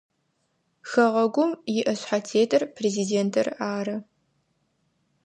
Хэгъэгум иӏэшъхьэтетыр президентыр ары.